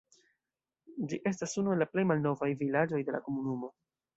Ĝi estas unu el la plej malnovaj vilaĝoj de la komunumo.